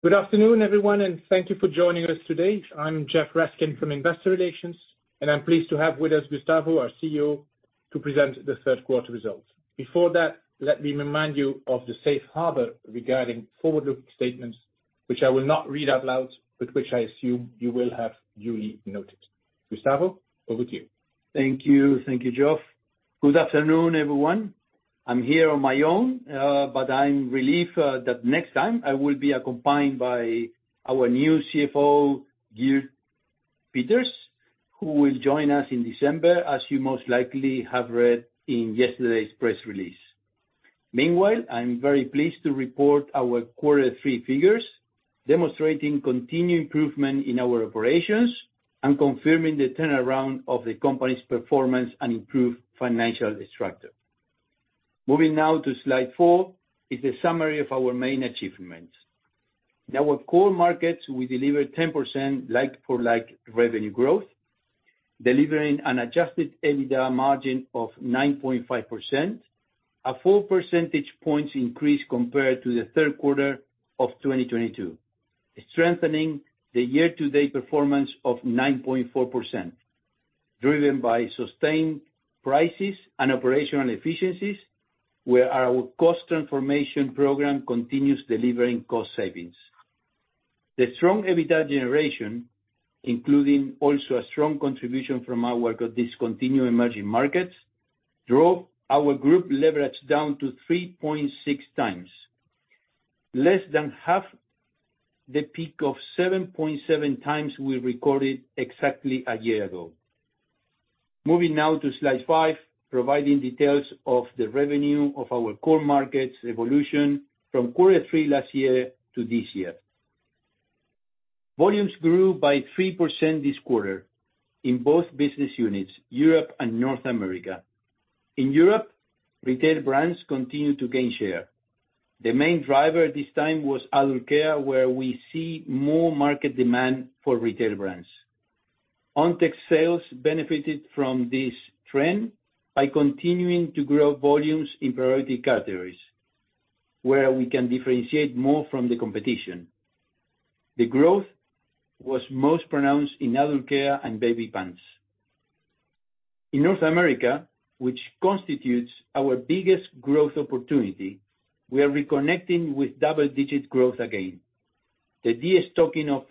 Good afternoon, everyone, and thank you for joining us today. I'm Geoff Raskin from Investor Relations, and I'm pleased to have with us Gustavo, our CEO, to present the third quarter results. Before that, let me remind you of the safe harbor regarding forward-looking statements, which I will not read out loud, but which I assume you will have duly noted. Gustavo, over to you. Thank you. Thank you, Geoff. Good afternoon, everyone. I'm here on my own, but I'm relieved that next time I will be accompanied by our new CFO, Geert Peeters, who will join us in December, as you most likely have read in yesterday's press release. Meanwhile, I'm very pleased to report our quarter three figures, demonstrating continued improvement in our operations and confirming the turnaround of the company's performance and improved financial structure. Moving now to slide four is the summary of our main achievements. In our core markets, we delivered 10% like-for-like revenue growth, delivering an Adjusted EBITDA margin of 9.5%, a full percentage points increase compared to the third quarter of 2022. Strengthening the year-to-date performance of 9.4%, driven by sustained prices and operational efficiencies, where our cost transformation program continues delivering cost savings. The strong EBITDA generation, including also a strong contribution from our discontinued emerging markets, drove our group leverage down to 3.6x, less than half the peak of 7.7x we recorded exactly a year ago. Moving now to slide five, providing details of the revenue of our core markets evolution from quarter three last year to this year. Volumes grew by 3% this quarter in both business units, Europe and North America. In Europe, retail brands continued to gain share. The main driver this time was adult care, where we see more market demand for retail brands. Ontex sales benefited from this trend by continuing to grow volumes in priority categories, where we can differentiate more from the competition. The growth was most pronounced in adult care and baby pants. In North America, which constitutes our biggest growth opportunity, we are reconnecting with double-digit growth again. The destocking of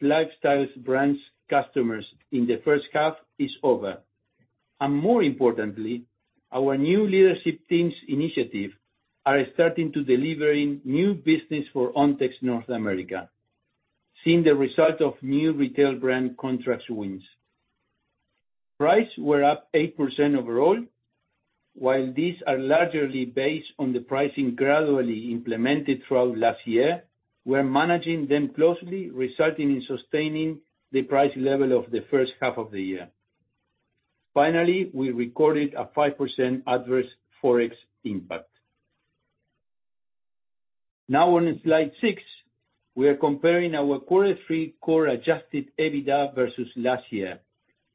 lifestyle brands customers in the first half is over, and more importantly, our new leadership teams initiative are starting to delivering new business for Ontex's North America, seeing the result of new retail brand contract wins. Prices were up 8% overall. While these are largely based on the pricing gradually implemented throughout last year, we're managing them closely, resulting in sustaining the price level of the first half of the year. Finally, we recorded a 5% adverse Forex impact. Now on slide six, we are comparing our quarter three core adjusted EBITDA versus last year,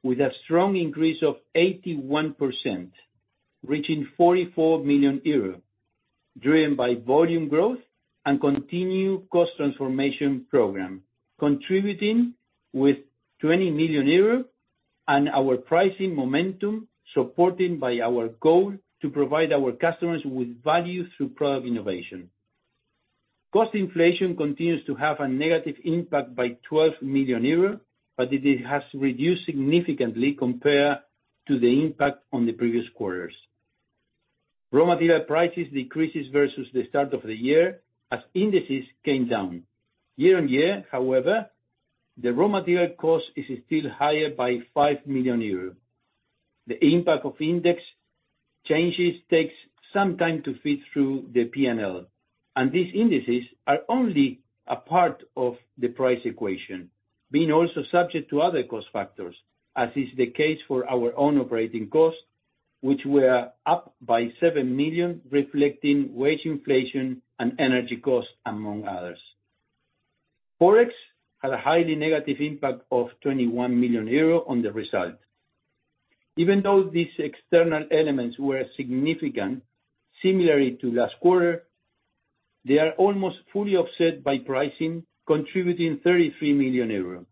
with a strong increase of 81%, reaching 44 million euros, driven by volume growth and continued cost transformation program, contributing with 20 million euros and our pricing momentum, supported by our goal to provide our customers with value through product innovation. Cost inflation continues to have a negative impact by 12 million euros, but it has reduced significantly compared to the impact on the previous quarters. Raw material prices decrease versus the start of the year as indices came down. Year-on-year, however, the raw material cost is still higher by 5 million euros. The impact of index changes takes some time to feed through the P&L, and these indices are only a part of the price equation, being also subject to other cost factors, as is the case for our own operating costs, which were up by 7 million, reflecting wage inflation and energy costs, among others. Forex had a highly negative impact of 21 million euros on the result. Even though these external elements were significant, similarly to last quarter, they are almost fully offset by pricing, contributing 33 million euros.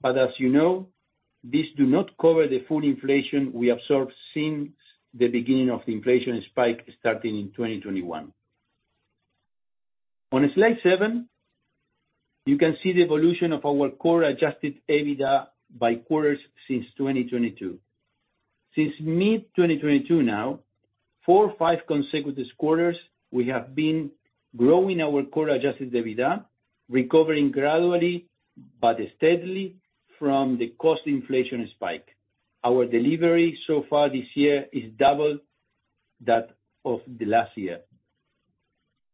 But as you know, these do not cover the full inflation we have saw since the beginning of the inflation spike starting in 2021. On slide seven, you can see the evolution of our core adjusted EBITDA by quarters since 2022. Since mid-2022 now, four or five consecutive quarters, we have been growing our core adjusted EBITDA, recovering gradually but steadily from the cost inflation spike. Our delivery so far this year is double that of last year.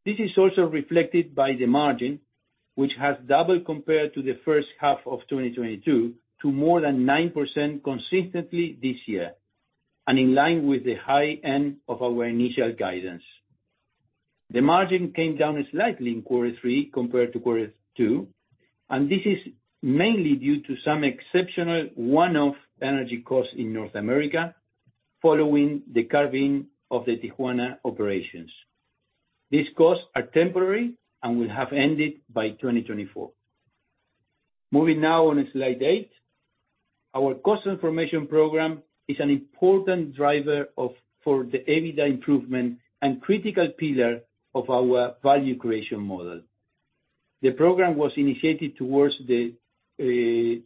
This is also reflected by the margin, which has doubled compared to the first half of 2022, to more than 9% consistently this year, and in line with the high end of our initial guidance. The margin came down slightly in quarter three compared to quarter two, and this is mainly due to some exceptional one-off energy costs in North America... following the carving of the Tijuana operations. These costs are temporary and will have ended by 2024. Moving now on to slide eight, our cost transformation program is an important driver of, for the EBITDA improvement and critical pillar of our value creation model. The program was initiated towards the,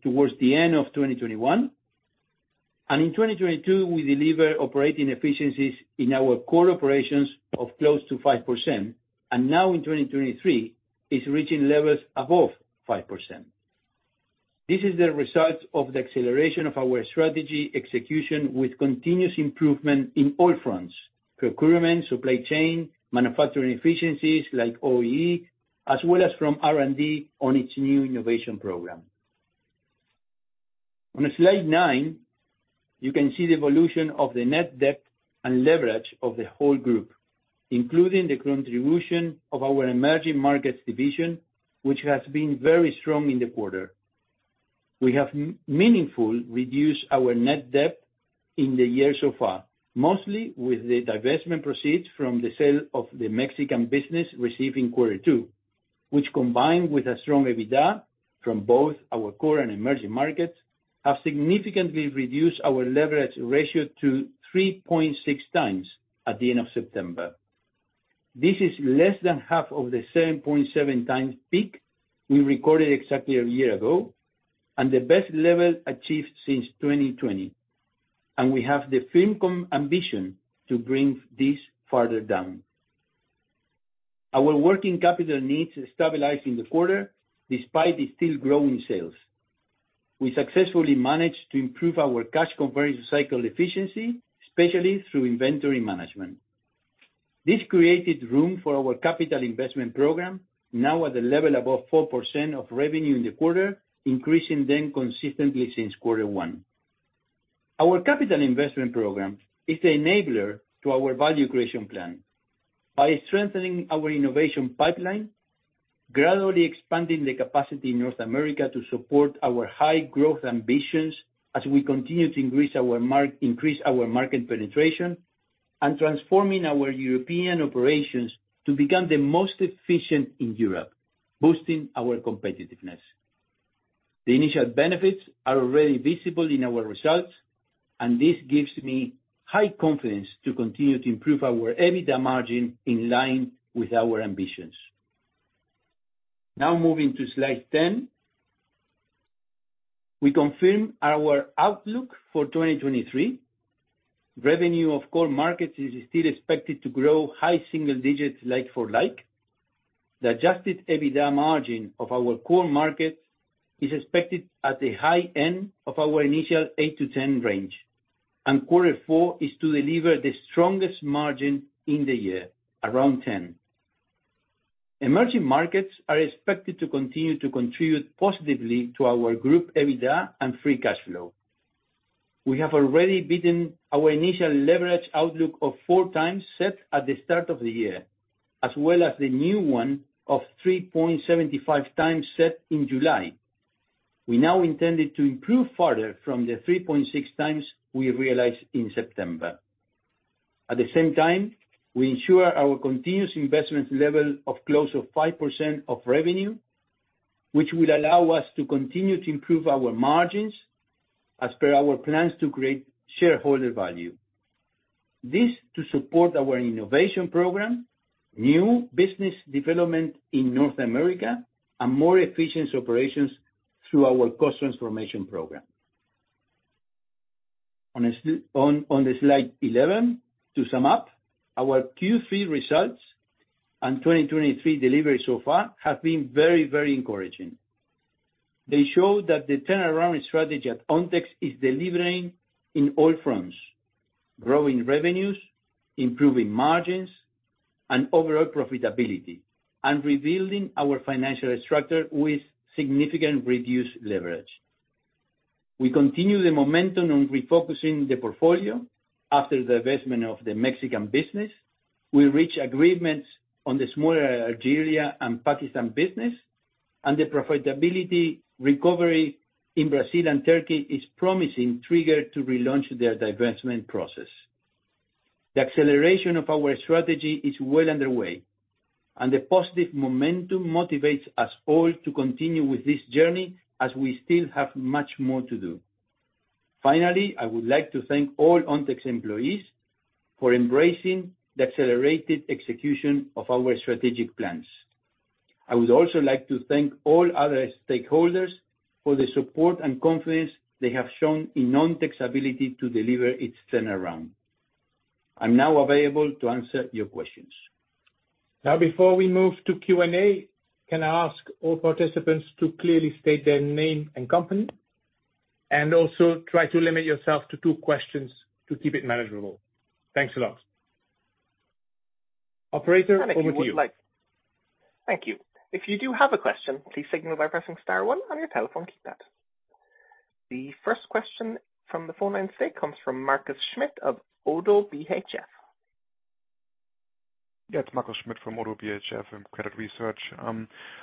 towards the end of 2021, and in 2022, we delivered operating efficiencies in our core operations of close to 5%, and now in 2023, it's reaching levels above 5%. This is the result of the acceleration of our strategy execution, with continuous improvement in all fronts: procurement, supply chain, manufacturing efficiencies, like OEE, as well as from R&D on its new innovation program. On slide nine, you can see the evolution of the net debt and leverage of the whole group, including the contribution of our emerging markets division, which has been very strong in the quarter. We have meaningfully reduced our net debt in the year so far, mostly with the divestment proceeds from the sale of the Mexican business received in quarter two, which, combined with a strong EBITDA from both our core and emerging markets, have significantly reduced our leverage ratio to 3.6x at the end of September. This is less than half of the 7.7x peak we recorded exactly a year ago, and the best level achieved since 2020. We have the firm ambition to bring this further down. Our working capital needs stabilized in the quarter despite the still growing sales. We successfully managed to improve our cash conversion cycle efficiency, especially through inventory management. This created room for our capital investment program, now at a level above 4% of revenue in the quarter, increasing them consistently since quarter one. Our capital investment program is the enabler to our value creation plan. By strengthening our innovation pipeline, gradually expanding the capacity in North America to support our high growth ambitions as we continue to increase our market penetration, and transforming our European operations to become the most efficient in Europe, boosting our competitiveness. The initial benefits are already visible in our results, and this gives me high confidence to continue to improve our EBITDA margin in line with our ambitions. Now moving to slide 10. We confirm our outlook for 2023. Revenue of core markets is still expected to grow high single digits, like-for-like. The adjusted EBITDA margin of our core markets is expected at the high end of our initial 8%-10% range, and quarter four is to deliver the strongest margin in the year, around 10%. Emerging markets are expected to continue to contribute positively to our group EBITDA and free cash flow. We have already beaten our initial leverage outlook of 4x, set at the start of the year, as well as the new one of 3.75x, set in July. We now intended to improve further from the 3.6x we realized in September. At the same time, we ensure our continuous investment level of close to 5% of revenue, which will allow us to continue to improve our margins as per our plans to create shareholder value. This to support our innovation program, new business development in North America, and more efficient operations through our cost transformation program. On the slide 11, to sum up, our Q3 results and 2023 delivery so far have been very, very encouraging. They show that the turnaround strategy at Ontex is delivering in all fronts, growing revenues, improving margins, and overall profitability, and rebuilding our financial structure with significant reduced leverage. We continue the momentum on refocusing the portfolio after the divestment of the Mexican business. We reach agreements on the smaller Algeria and Pakistan business, and the profitability recovery in Brazil and Turkey is promising trigger to relaunch their divestment process. The acceleration of our strategy is well underway, and the positive momentum motivates us all to continue with this journey as we still have much more to do. Finally, I would like to thank all Ontex employees for embracing the accelerated execution of our strategic plans. I would also like to thank all other stakeholders for the support and confidence they have shown in Ontex's ability to deliver its turnaround. I'm now available to answer your questions. Now, before we move to Q&A, can I ask all participants to clearly state their name and company? Also try to limit yourself to two questions to keep it manageable. Thanks a lot. Operator, over to you. Thank you. If you do have a question, please signal by pressing star one on your telephone keypad. The first question from the phone line today comes from Markus Schmidt of ODDO BHF. Yeah, it's Markus Schmidt from ODDO BHF from Credit Research.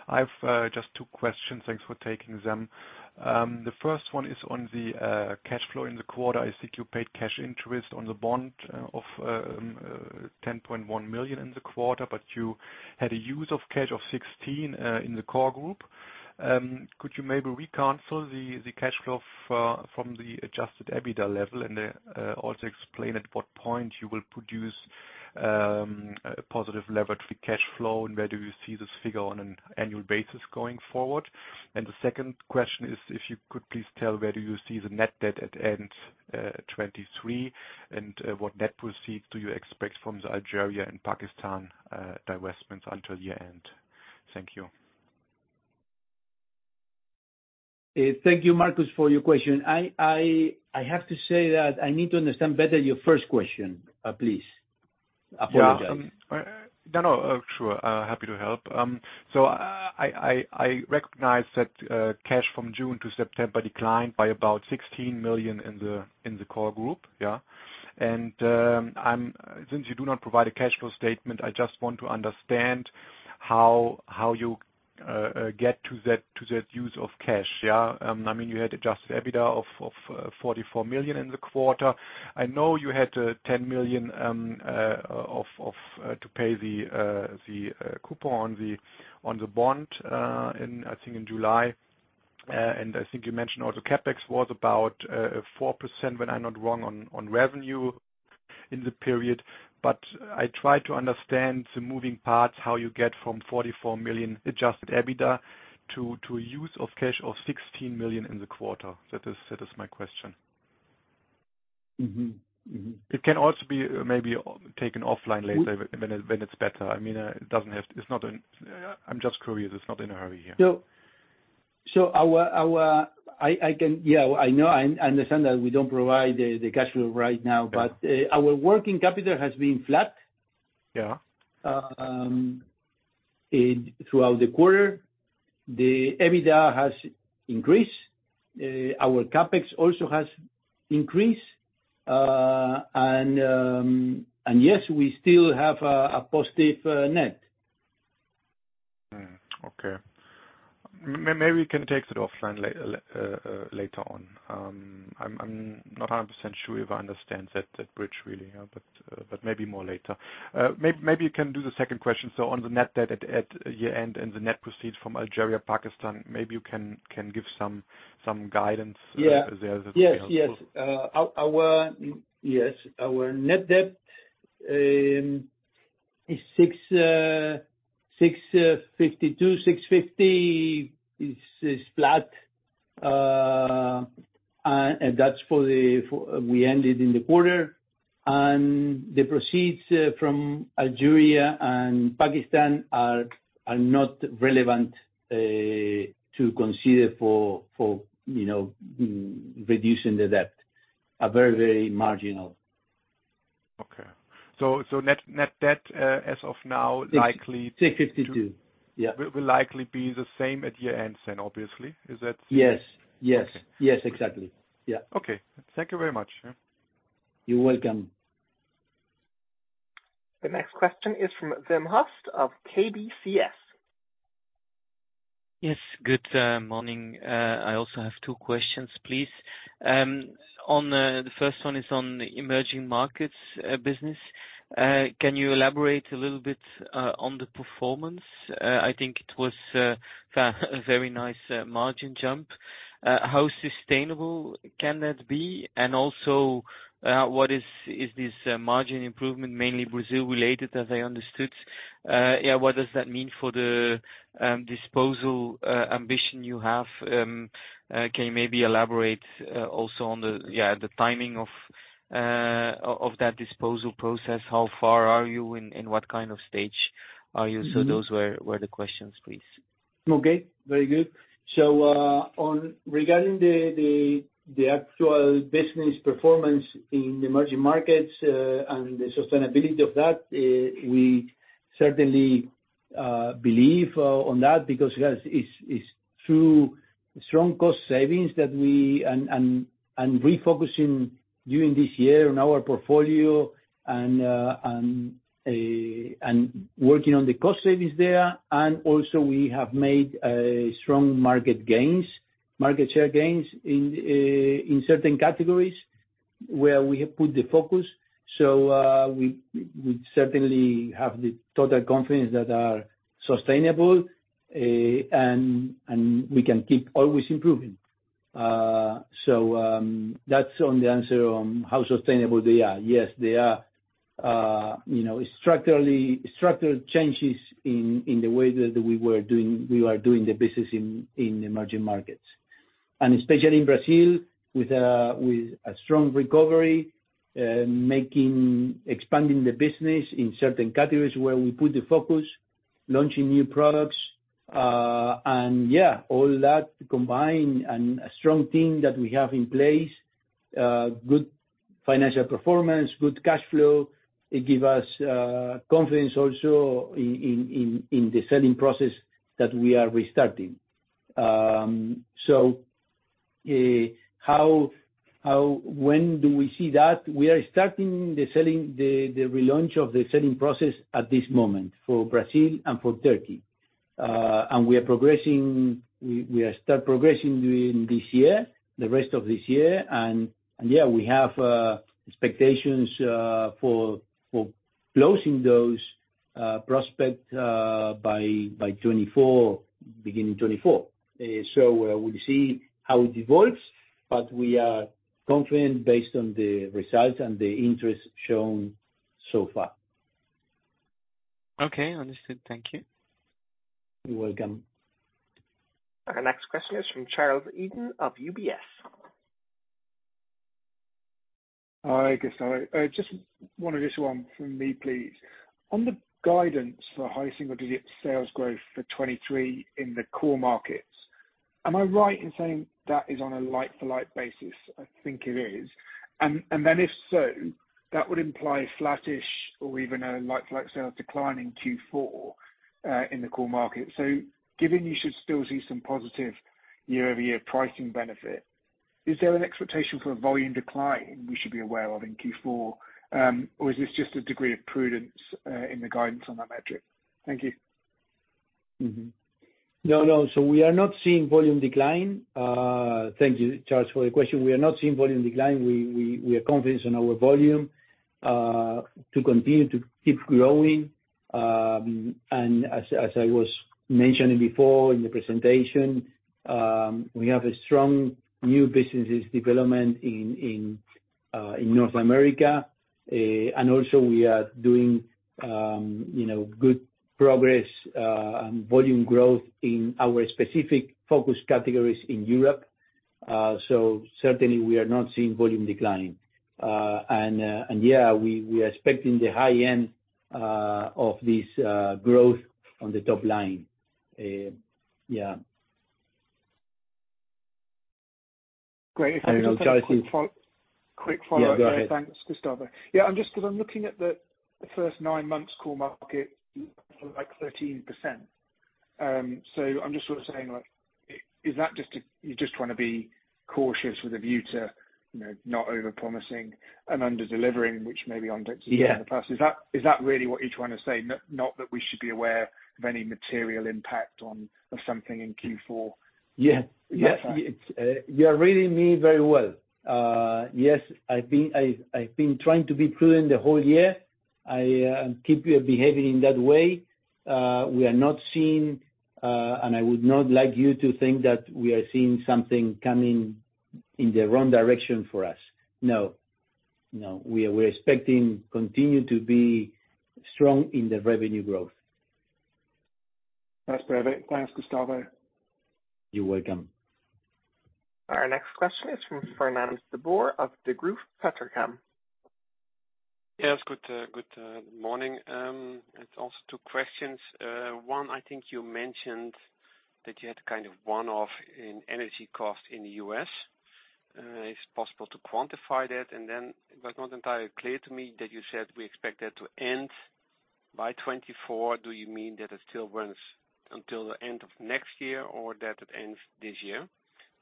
I've just two questions. Thanks for taking them. The first one is on the cash flow in the quarter. I think you paid cash interest on the bond of 10.1 million in the quarter, but you had a use of cash of 16 million in the core group. Could you maybe reconcile the cash flow from the adjusted EBITDA level, and also explain at what point you will produce a positive levered free cash flow? Where do you see this figure on an annual basis going forward? The second question is, if you could please tell, where do you see the net debt at end 2023? What net proceeds do you expect from the Algeria and Pakistan divestments until year-end? Thank you. Thank you, Markus, for your question. I have to say that I need to understand better your first question, please. I apologize. Yeah, no, no, sure, happy to help. So I recognize that cash from June to September declined by about 16 million in the core group. Yeah. And since you do not provide a cash flow statement, I just want to understand how you get to that use of cash. Yeah. I mean, you had adjusted EBITDA of 44 million in the quarter. I know you had 10 million to pay the coupon on the bond in, I think, July. And I think you mentioned also CapEx was about 4%, when I'm not wrong, on revenue in the period. I try to understand the moving parts, how you get from 44 million Adjusted EBITDA to a use of cash of 16 million in the quarter. That is my question. It can also be maybe taken offline later when it's better. I mean, it doesn't have... It's not an-- I'm just curious. It's not in a hurry here. So, our, I can-- Yeah, I know. I understand that we don't provide the cash flow right now. Yeah. Our working capital has been flat- Yeah... throughout the quarter. The EBITDA has increased, our CapEx also has increased, and yes, we still have a positive net. Okay. Maybe we can take it offline later on. I'm not 100% sure if I understand that bridge really, but maybe more later. Maybe you can do the second question. So on the net debt at year-end and the net proceeds from Algeria, Pakistan, maybe you can give some guidance there. Yeah. Yes, yes. Our, our... Yes, our net debt is 652, 650. Is, is flat, and that's for the, for we ended in the quarter. The proceeds from Algeria and Pakistan are not relevant, you know, reducing the debt. Are very, very marginal. Okay. So net debt as of now, likely- 652. Yeah. will likely be the same at year-end then, obviously. Is that? Yes, yes. Okay. Yes, exactly. Yeah. Okay. Thank you very much, sir. You're welcome. The next question is from Wim Hoste of KBC Securities. Yes, good morning. I also have two questions, please. The first one is on the emerging markets business. Can you elaborate a little bit on the performance? I think it was a very nice margin jump. How sustainable can that be? And also, what is this margin improvement, mainly Brazil-related, as I understood? Yeah, what does that mean for the disposal ambition you have? Can you maybe elaborate also on the, yeah, the timing of that disposal process? How far are you, and what kind of stage are you? Those were the questions, please. Okay, very good. So, on regarding the actual business performance in the emerging markets, and the sustainability of that, we certainly believe on that, because, yes, it's through strong cost savings that we are refocusing during this year on our portfolio and working on the cost savings there. And also we have made a strong market gains, market share gains in certain categories where we have put the focus. So, we certainly have the total confidence that are sustainable, and we can keep always improving. So, that's the answer on how sustainable they are. Yes, they are, you know, structurally, structural changes in the way that we were doing we are doing the business in emerging markets. Especially in Brazil, with a strong recovery, making, expanding the business in certain categories where we put the focus, launching new products, and yeah, all that combined and a strong team that we have in place, good financial performance, good cash flow. It gives us confidence also in the selling process that we are restarting. How, when do we see that? We are starting the relaunch of the selling process at this moment for Brazil and for Turkey. We are progressing, we are start progressing during this year, the rest of this year, and yeah, we have expectations for closing those prospect by 2024, beginning 2024. We'll see how it evolves, but we are confident based on the results and the interest shown so far. Okay, understood. Thank you. You're welcome. Our next question is from Charles Eden of UBS. Hi, Gustavo. Just one additional one from me, please. On the guidance for high single-digit sales growth for 2023 in the core markets, am I right in saying that is on a like-for-like basis? I think it is. And, and then if so, that would imply flattish or even a like-for-like sales decline in Q4 in the core market. So given you should still see some positive year-over-year pricing benefit, is there an expectation for a volume decline we should be aware of in Q4? Or is this just a degree of prudence in the guidance on that metric? Thank you. No, no. So we are not seeing volume decline. Thank you, Charles, for the question. We are not seeing volume decline. We are confident in our volume to continue to keep growing. And as I was mentioning before in the presentation, we have a strong new businesses development in North America. And also we are doing you know, good progress and volume growth in our specific focus categories in Europe. So certainly we are not seeing volume decline. And yeah, we are expecting the high end of this growth on the top line. Yeah. Great. I know, Charles, if- Quick follow-up. Yeah, go ahead. Thanks, Gustavo. Yeah, I'm just... 'cause I'm looking at the first nine months core market, like, 13%. So I'm just sort of saying, like, is that just a, you just wanna be cautious with a view to, you know, not over-promising and under-delivering, which may be on- Yeah. in the past. Is that, is that really what you're trying to say? Not that we should be aware of any material impact on, of something in Q4? Yeah. Yeah. That's right. It's, you are reading me very well. Yes, I've been trying to be prudent the whole year. I keep behaving in that way. We are not seeing, and I would not like you to think that we are seeing something coming in the wrong direction for us. No. No, we're expecting continue to be strong in the revenue growth. That's perfect. Thanks, Gustavo. You're welcome. Our next question is from Fernand de Boer of Degroof Petercam. Yes, good, good, morning. It's also two questions. One, I think you mentioned that you had kind of one-off in energy costs in the U.S. Is it possible to quantify that? And then it was not entirely clear to me that you said we expect that to end by 2024. Do you mean that it still runs until the end of next year or that it ends this year?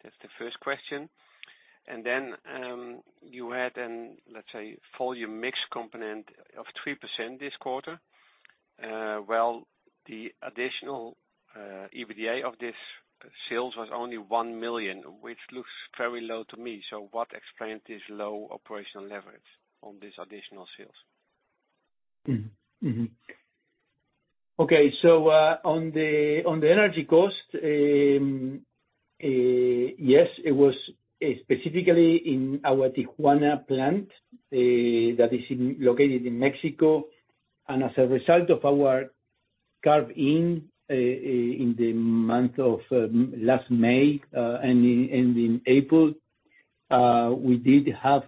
That's the first question. And then, you had an, let's say, volume mix component of 3% this quarter. Well, the additional EBITDA of this sales was only 1 million, which looks very low to me. So what explains this low operational leverage on these additional sales? Okay. So, on the energy cost, yes, it was specifically in our Tijuana plant, that is located in Mexico. And as a result of our carve-out, in the month of last May, and in April, we did have,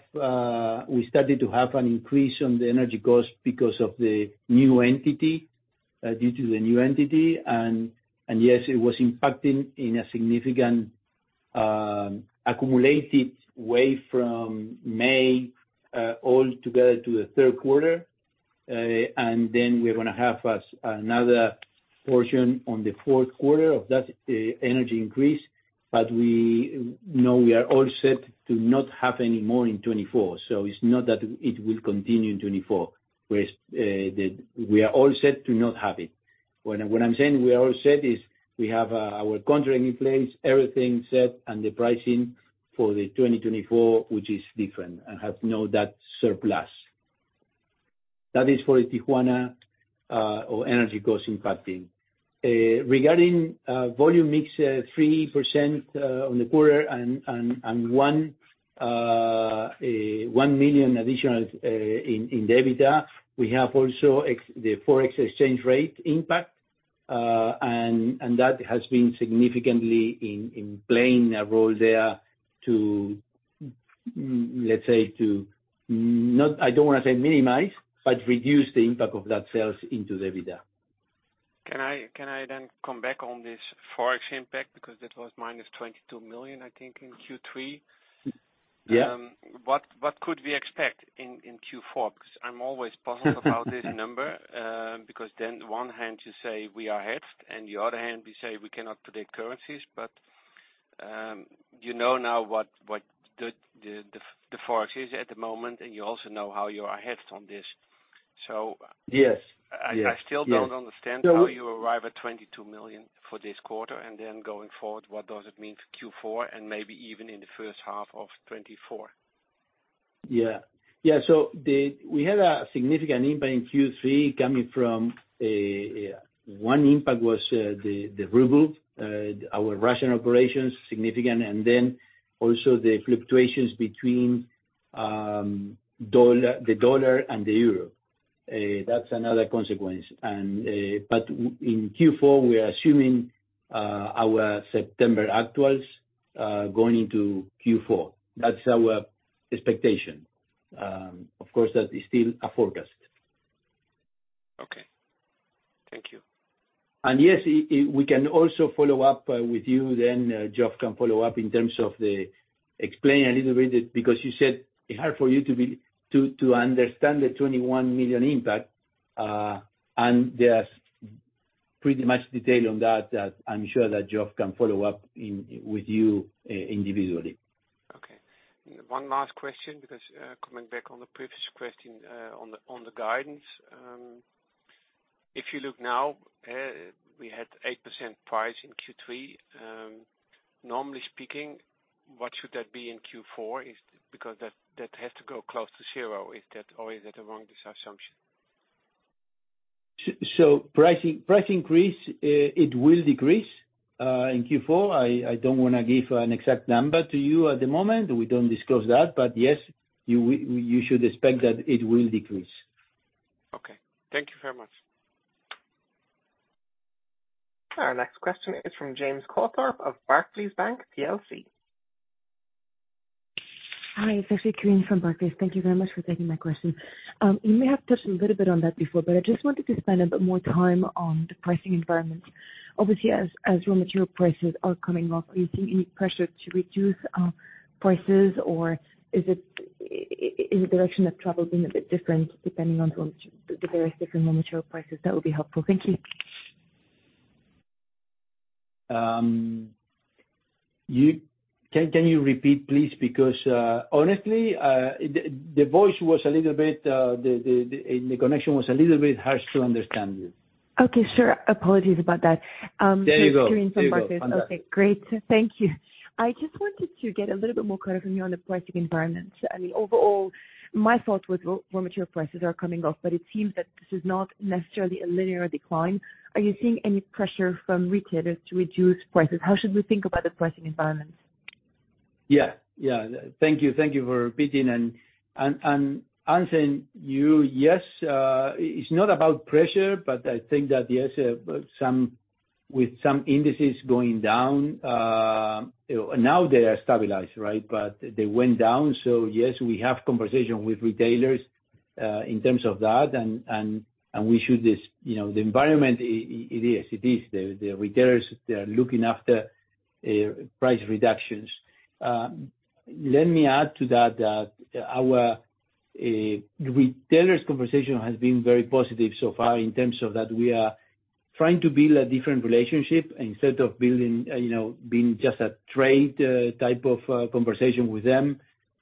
we started to have an increase on the energy cost because of the new entity, due to the new entity. And yes, it was impacting in a significant accumulated way from May altogether to the third quarter. And then we're gonna have another portion on the fourth quarter of that energy increase, but we know we are all set to not have any more in 2024. So it's not that it will continue in 2024. We're all set to not have it. What I'm saying, we are all set is we have our contract in place, everything set, and the pricing for 2024, which is different and have no that surplus. That is for Tijuana, or energy cost impacting. Regarding volume mix, 3% on the quarter and 1 million additional in EBITDA, we have also excluding the Forex exchange rate impact. And that has been significantly in playing a role there to, let's say, to not, I don't wanna say minimize, but reduce the impact of that sales into EBITDA. Can I, can I then come back on this Forex impact? Because that was 22 million, I think, in Q3. What could we expect in Q4? Because I'm always puzzled about this number, because then one hand you say we are hedged, and the other hand, we say we cannot predict currencies. You know now what the Forex is at the moment, and you also know how you are hedged on this. Yes. Yes. I still don't understand- So- -how you arrive at 22 million for this quarter, and then going forward, what does it mean for Q4 and maybe even in the first half of 2024? Yeah. Yeah, so we had a significant impact in Q3 coming from one impact was the ruble, our Russian operations, significant, and then also the fluctuations between the dollar and the euro. That's another consequence. But in Q4, we are assuming our September actuals going into Q4. That's our expectation. Of course, that is still a forecast. Okay. Thank you. Yes, we can also follow up with you then. Geoff can follow up in terms of the explain a little bit, because you said it's hard for you to understand the 21 million impact, and there's pretty much detail on that, that I'm sure that Geoff can follow up with you individually. Okay, one last question, because coming back on the previous question, on the guidance. If you look now, we had 8% price in Q3. Normally speaking, what should that be in Q4? Because that has to go close to zero. Is that or is that a wrong assumption? So pricing, price increase, it will decrease in Q4. I don't want to give an exact number to you at the moment. We don't discuss that, but yes, you should expect that it will decrease. Okay, thank you very much. Our next question is from James Cawthorne of Barclays Bank PLC. Hi, it's actually Karine from Barclays. Thank you very much for taking my question. You may have touched a little bit on that before, but I just wanted to spend a bit more time on the pricing environment. Obviously, as raw material prices are coming off, are you seeing any pressure to reduce prices, or is the direction of travel been a bit different, depending on the various different raw material prices? That would be helpful. Thank you. Can you repeat, please? Because, honestly, the voice was a little bit, and the connection was a little bit harsh to understand you. Okay, sure. Apologies about that. There you go. Karine from Barclays. There you go. Fantastic. Okay, great. Thank you. I just wanted to get a little bit more color from you on the pricing environment. I mean, overall, my thought was raw, raw material prices are coming off, but it seems that this is not necessarily a linear decline. Are you seeing any pressure from retailers to reduce prices? How should we think about the pricing environment? Yeah, yeah. Thank you. Thank you for repeating and answering you, yes. It's not about pressure, but I think that yes, with some indices going down, now they are stabilized, right? But they went down. So yes, we have conversation with retailers in terms of that, and we should just... You know, the environment, it is, it is. The retailers, they are looking after price reductions. Let me add to that, that our retailers conversation has been very positive so far in terms of that we are trying to build a different relationship. Instead of building, you know, being just a trade, type of, conversation with them,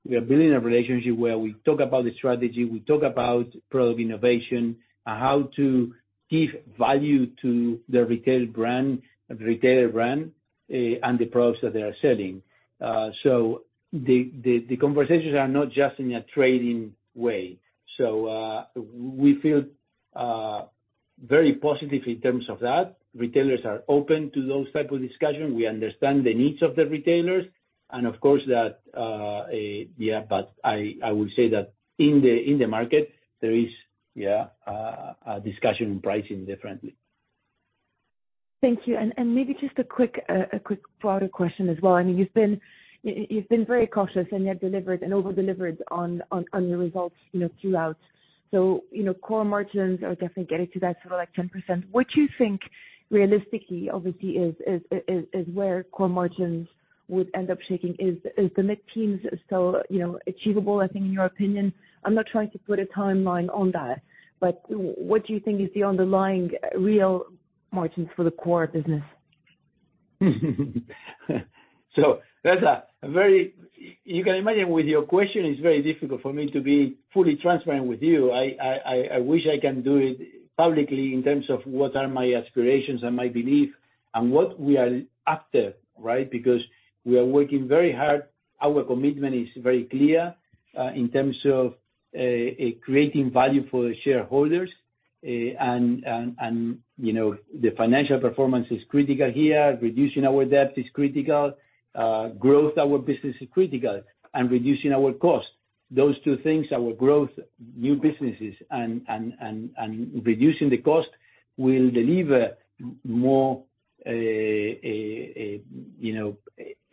we are building a relationship where we talk about the strategy, we talk about product innovation, how to give value to the retail brand, the retailer brand, and the products that they are selling. So the conversations are not just in a trading way. So, we feel very positive in terms of that. Retailers are open to those type of discussion. We understand the needs of the retailers, and of course, that, but I would say that in the market, there is a discussion on pricing differently. Thank you. And maybe just a quick broader question as well. I mean, you've been very cautious and yet delivered and over-delivered on your results, you know, throughout. So, you know, core margins are definitely getting to that sort of, like, 10%. What do you think realistically, obviously, is where core margins would end up shaking? Is the mid-teens still, you know, achievable, I think, in your opinion? I'm not trying to put a timeline on that, but what do you think is the underlying real margins for the core business? You can imagine with your question, it's very difficult for me to be fully transparent with you. I wish I can do it publicly in terms of what are my aspirations and my belief and what we are after, right? Because we are working very hard. Our commitment is very clear in terms of creating value for the shareholders, and you know, the financial performance is critical here, reducing our debt is critical, growth our business is critical, and reducing our cost. Those two things, our growth, new businesses and reducing the cost, will deliver more, you know,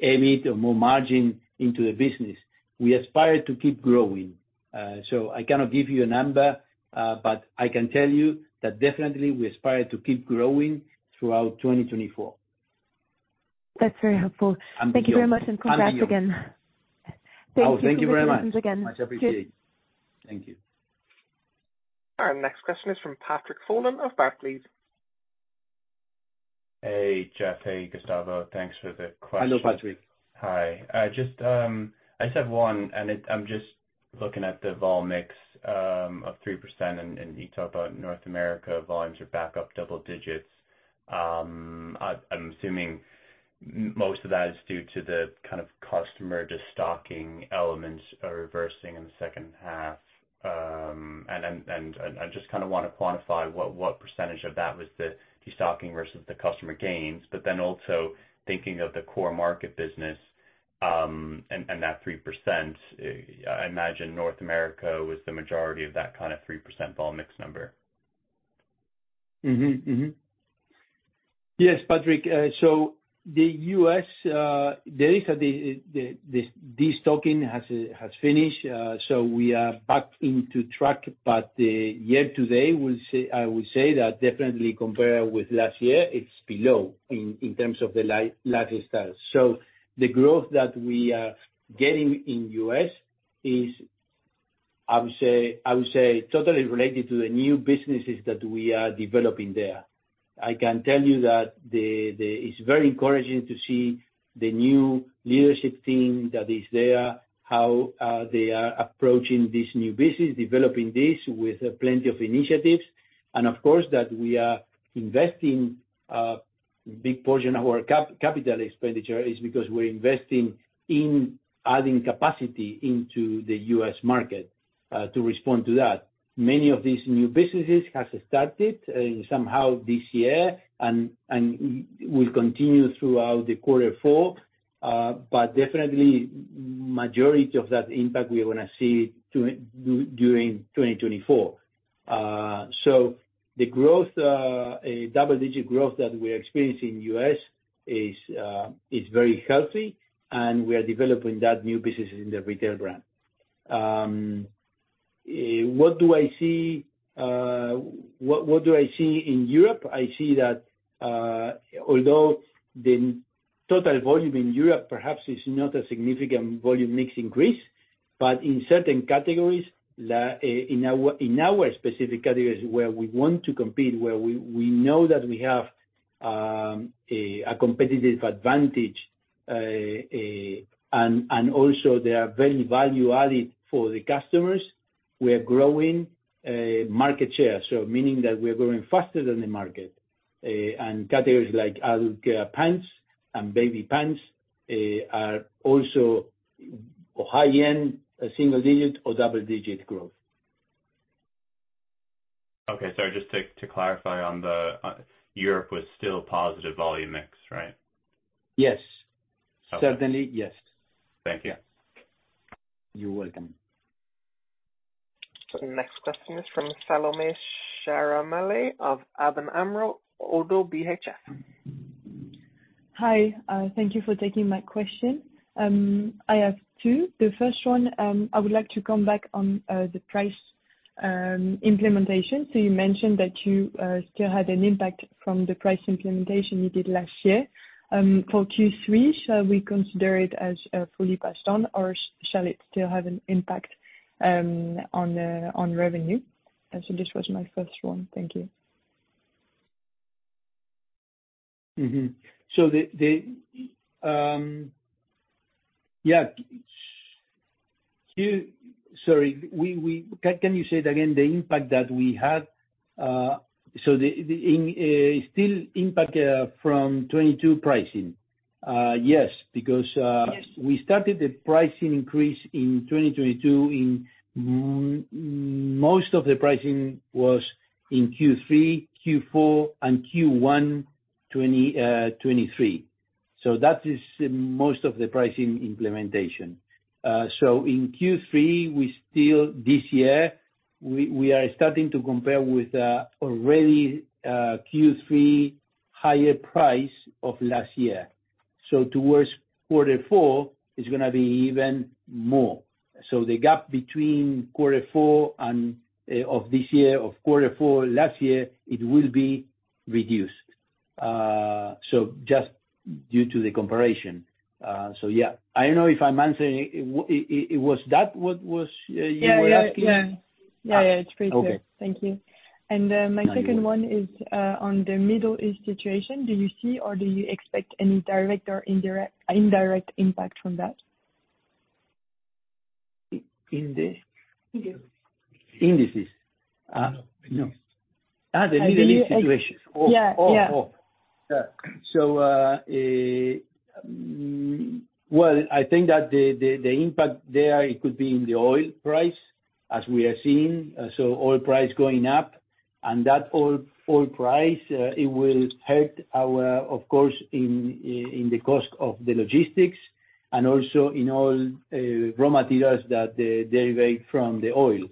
EBIT or more margin into the business. We aspire to keep growing. So I cannot give you a number, but I can tell you that definitely we aspire to keep growing throughout 2024. That's very helpful. I'm here. Thank you very much, and congrats again. Oh, thank you very much. Thanks again. Much appreciated. Thank you. Our next question is from Patrick Folan of Barclays. Hey, Geoff. Hey, Gustavo. Thanks for the question. Hello, Patrick. Hi. Just, I just have one, and I'm just looking at the vol mix of 3% in Europe and North America, volumes are back up double digits. I'm assuming most of that is due to the kind of customer destocking elements are reversing in the second half. And I just kind of want to quantify what percentage of that was the destocking versus the customer gains, but then also thinking of the core market business, and that 3%, I imagine North America was the majority of that kind of 3% vol mix number. Yes, Patrick, so the U.S., there is this destocking has finished, so we are back into track. But year to date, we'll say... I will say that definitely compared with last year, it's below in terms of the lifestyle. So the growth that we are getting in U.S. is, I would say, totally related to the new businesses that we are developing there. I can tell you that... It's very encouraging to see the new leadership team that is there, how they are approaching this new business, developing this with plenty of initiatives. And of course, that we are investing, big portion of our capital expenditure is because we're investing in adding capacity into the U.S. market, to respond to that. Many of these new businesses has started, somehow this year, and, and will continue throughout the quarter four. But definitely, majority of that impact we are gonna see during 2024. So the growth, double-digit growth that we are experiencing in U.S. is, is very healthy, and we are developing that new business in the retail brand. What do I see, what, what do I see in Europe? I see that, although the total volume in Europe perhaps is not a significant volume mix increase, but in certain categories, in our specific categories, where we want to compete, where we know that we have a competitive advantage, and also they are very value-added for the customers, we are growing market share, so meaning that we are growing faster than the market. And categories like pants and baby pants are also high-end, a single digit or double-digit growth. Okay, sorry, just to clarify on the Europe was still positive volume mix, right? Yes. Okay. Certainly, yes. Thank you. You're welcome. So the next question is from Salomé Charamelet of ABN AMRO - ODDO BHF. Hi, thank you for taking my question. I have two. The first one, I would like to come back on, the price, implementation. So you mentioned that you, still had an impact from the price implementation you did last year. For Q3, shall we consider it as, fully passed on, or shall it still have an impact, on revenue? So this was my first one. Thank you. So the... Yeah... Sorry, can you say it again? The impact that we had, so the initial impact from 2022 pricing. Yes, because... Yes. We started the pricing increase in 2022. Most of the pricing was in Q3, Q4, and Q1 2023. So that is most of the pricing implementation. So in Q3 this year, we are starting to compare with already Q3 higher price of last year. So towards quarter four, it's gonna be even more. So the gap between quarter four of this year and quarter four last year, it will be reduced. So just due to the comparison. So yeah. I don't know if I'm answering. Was that what you were asking? Yeah, yeah. Yeah, yeah, it's pretty clear. Okay. Thank you. Thank you. My second one is on the Middle East situation. Do you see or do you expect any direct or indirect impact from that? In the? Indices. Indices? No. The Middle East situation. Yeah. Oh, oh, oh. Yeah. So, well, I think that the impact there, it could be in the oil price, as we are seeing. So oil price going up, and that oil price, it will help our, of course, in the cost of the logistics and also in all raw materials that they derive from the oil.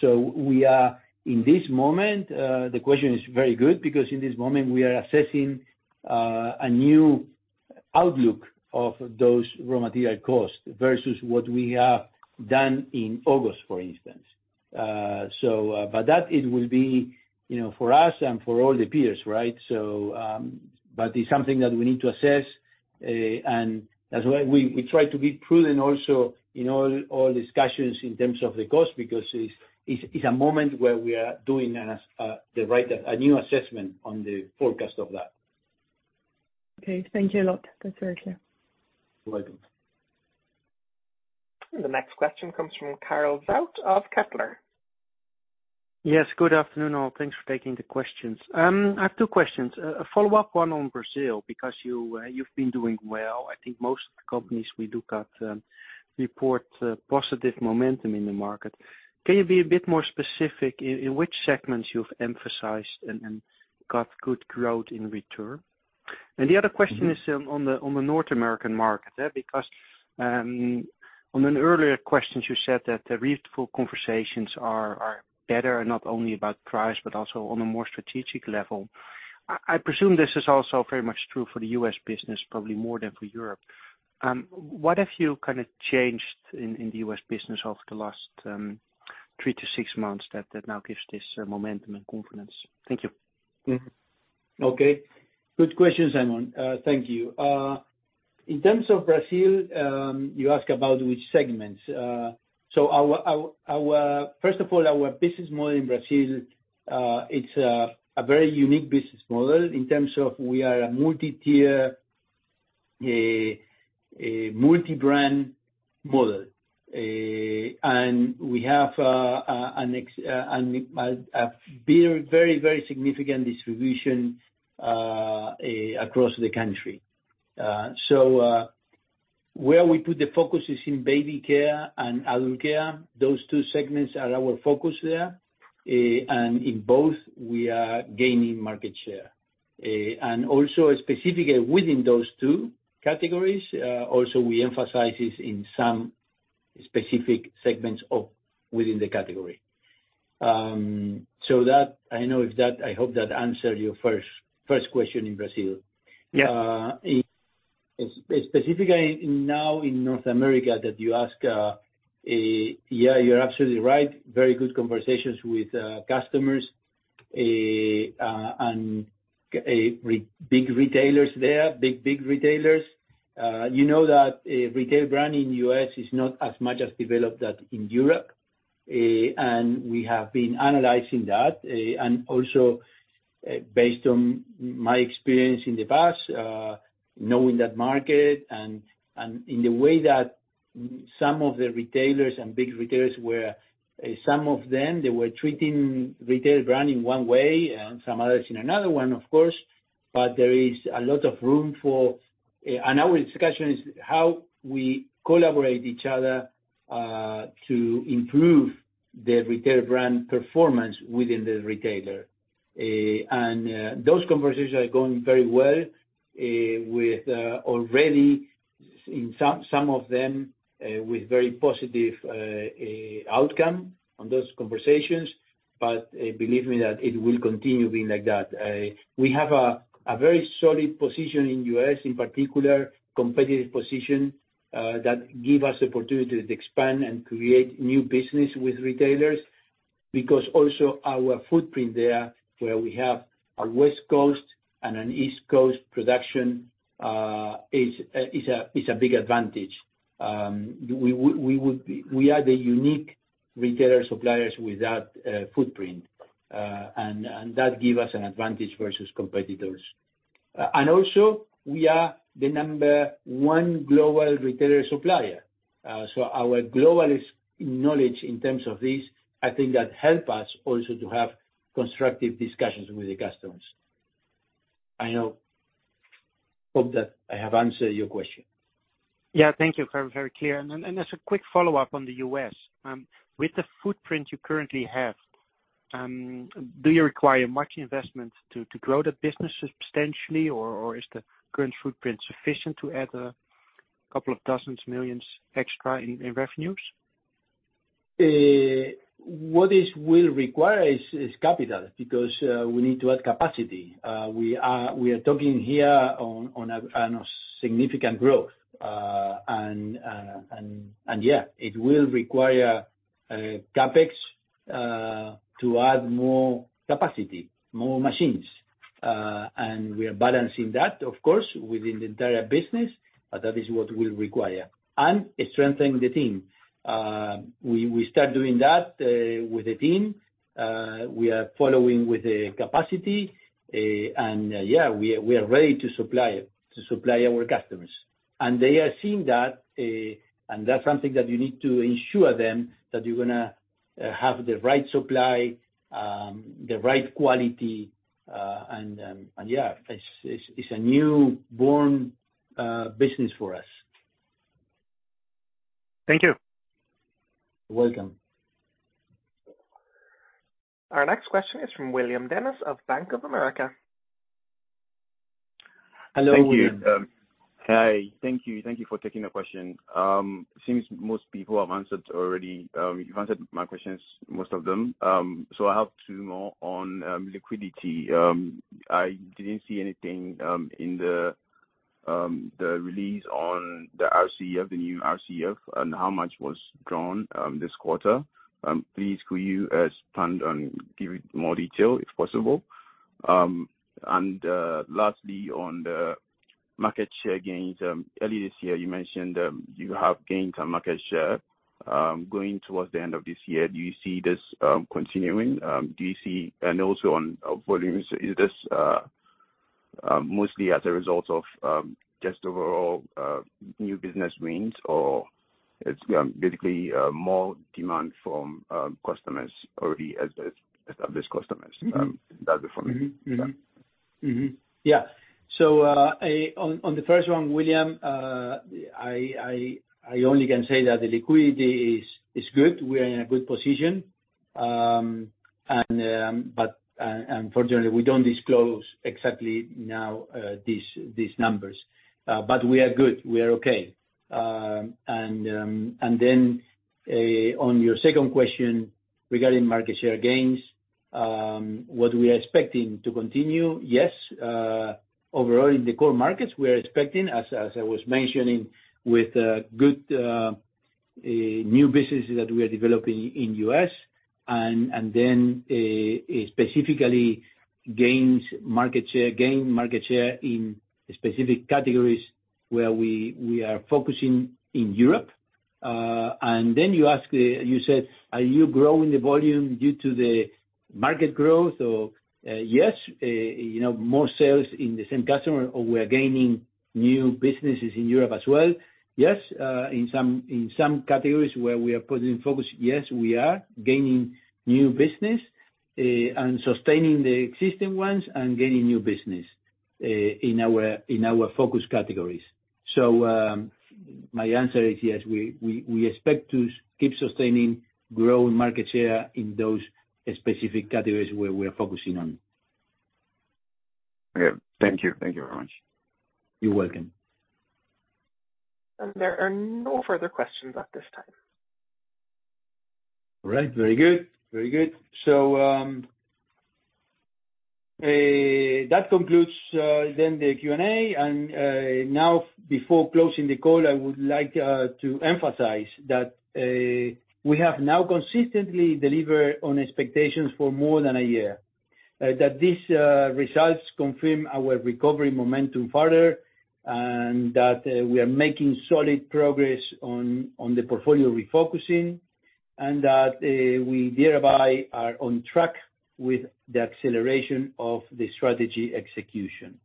So we are, in this moment, the question is very good because in this moment, we are assessing a new outlook of those raw material costs versus what we have done in August, for instance. So, but that it will be, you know, for us and for all the peers, right? But it's something that we need to assess, and that's why we try to be prudent also in all discussions in terms of the cost, because it is a moment where we are doing a new assessment on the forecast of that. Okay. Thank you a lot. That's very clear. You're welcome. The next question comes from Karel Zoete of Kepler. Yes, good afternoon, all. Thanks for taking the questions. I have two questions. A follow-up, one on Brazil, because you, you've been doing well. I think most of the companies we do got, report, positive momentum in the market. Can you be a bit more specific in which segments you've emphasized and got good growth in return? And the other question is on the North American market, because, on an earlier questions, you said that the reasonable conversations are better, and not only about price, but also on a more strategic level. I presume this is also very much true for the U.S. business, probably more than for Europe. What have you kind of changed in the US business over the last three to six months that now gives this momentum and confidence? Thank you. Okay, good questions, Simon. Thank you. In terms of Brazil, you ask about which segments. So our, first of all, our business model in Brazil, it's a very unique business model in terms of we are a multi-tier, a multi-brand model. And we have a very, very, very significant distribution across the country. So, where we put the focus is in baby care and adult care. Those two segments are our focus there, and in both, we are gaining market share. And also specifically within those two categories, also, we emphasize this in some specific segments of within the category. So that, I know if that, I hope that answered your first question in Brazil. Yeah. Specifically now in North America, that you ask, yeah, you're absolutely right. Very good conversations with customers and big retailers there, big, big retailers. You know that retail brand in U.S. is not as much as developed as in Europe, and we have been analyzing that. And also, based on my experience in the past, knowing that market and in the way that some of the retailers and big retailers were, some of them, they were treating retail brand in one way and some others in another one, of course. But there is a lot of room for... And our discussion is how we collaborate each other to improve the retail brand performance within the retailer. Those conversations are going very well, with already in some of them, very positive outcome on those conversations. Believe me, it will continue being like that. We have a very solid position in the US, in particular, competitive position, that gives us opportunity to expand and create new business with retailers, because also our footprint there, where we have a West Coast and an East Coast production, is a big advantage. We are the unique retailer suppliers with that footprint, and that gives us an advantage versus competitors. Also, we are the number one global retailer supplier. Our globalist knowledge in terms of this, I think that helps us also to have constructive discussions with the customers. I know... Hope that I have answered your question. Yeah. Thank you. Very, very clear. And then as a quick follow-up on the U.S., with the footprint you currently have, do you require much investment to grow the business substantially? Or is the current footprint sufficient to add a couple of dozens millions extra in revenues? What this will require is capital, because we need to add capacity. We are talking here on a significant growth, and yeah, it will require CapEx to add more capacity, more machines. We are balancing that, of course, within the entire business, but that is what will require. Strengthening the team, we start doing that with the team. We are following with the capacity, and yeah, we are ready to supply our customers. They are seeing that, and that's something that you need to ensure them, that you're gonna have the right supply, the right quality, and yeah, it's a new born business for us. Thank you. You're welcome. Our next question is from William Dennis of Bank of America. Hello, William. Thank you. Hi. Thank you. Thank you for taking the question. Seems most people have answered already. You've answered my questions, most of them. So I have two more on liquidity. I didn't see anything in the release on the RCF, the new RCF, and how much was drawn this quarter? Please, could you expand and give it more detail, if possible? And lastly, on the market share gains, earlier this year, you mentioned you have gained a market share. Going towards the end of this year, do you see this continuing? And also on volumes, is this mostly as a result of just overall new business wins or it's basically more demand from customers, already established customers? That's for me. Yeah. So, on the first one, William, I only can say that the liquidity is good. We are in a good position. And, but, unfortunately, we don't disclose exactly now these numbers, but we are good. We are okay. And then, on your second question regarding market share gains, what we are expecting to continue, yes, overall, in the core markets, we are expecting, as I was mentioning, with good new business that we are developing in U.S., and then, specifically gain market share in specific categories where we are focusing in Europe. And then you ask, you said, are you growing the volume due to the market growth or, yes, you know, more sales in the same customer, or we are gaining new businesses in Europe as well? Yes, in some categories where we are putting focus, yes, we are gaining new business, and sustaining the existing ones and gaining new business, in our focus categories. So, my answer is yes, we expect to keep sustaining, growing market share in those specific categories where we are focusing on. Okay. Thank you. Thank you very much. You're welcome. There are no further questions at this time. All right. Very good. Very good. So, that concludes then the Q&A. And, now, before closing the call, I would like to emphasize that we have now consistently delivered on expectations for more than a year, that these results confirm our recovery momentum further, and that we are making solid progress on the portfolio refocusing, and that we hereby are on track with the acceleration of the strategy execution.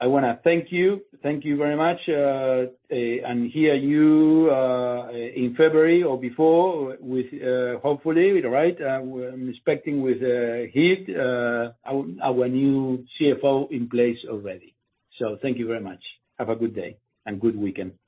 I wanna thank you. Thank you very much, and hear you in February or before with, hopefully, right? We're expecting with Geert our new CFO in place already. So thank you very much. Have a good day and good weekend. Bye.